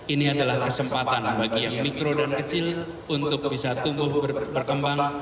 ini adalah kesempatan bagi yang mikro dan kecil untuk bisa tumbuh berkembang